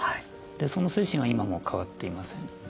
その精神は今も変わっていません。